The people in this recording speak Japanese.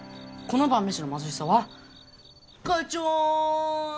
この晩飯の貧しさはガチョン！